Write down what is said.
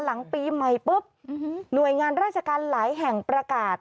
หลังปีใหม่ปุ๊บหน่วยงานราชการหลายแห่งประกาศ